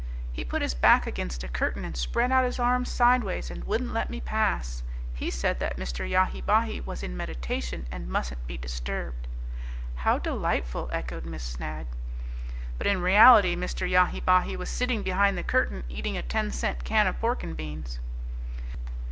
He put his back against a curtain and spread out his arms sideways and wouldn't let me pass. He said that Mr. Yahi Bahi was in meditation and mustn't be disturbed." "How delightful!" echoed Miss Snagg. But in reality Mr. Yahi Bahi was sitting behind the curtain eating a ten cent can of pork and beans.